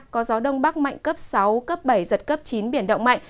có gió đông bắc mạnh cấp sáu cấp bảy giật cấp chín biển động mạnh